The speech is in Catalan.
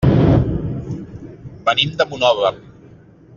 Venim de Monòver.